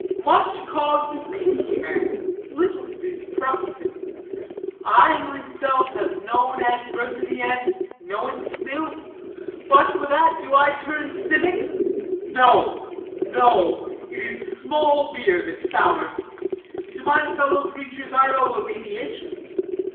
Much cause to pity man, little to distrust him. I myself have known adversity, and know it still. But for that, do I turn cynic? No, no: it is small beer that sours. To my fellow creatures I owe alleviations.